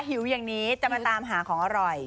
หิวอย่างนี้จะมาตามหาของอร่อย